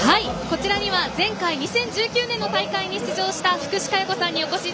こちらには前回２０１９年の大会に出場した福士加代子さんです。